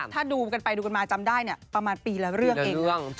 ถ้าดูกันไปดูกันมาจำได้เนี้ยประมาณปีละเรื่องเองปีละเรื่อง